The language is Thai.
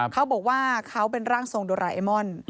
เขาบอกว่าเขาเป็นร่างทรงโดราเอมอน